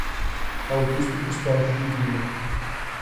Augusto Custodio de Lima